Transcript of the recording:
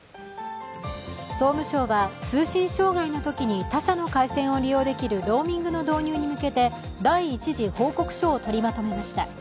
総務省は通信障害のときに他社の回線を利用できるローミングの導入に向けて第１次報告書を取りまとめました。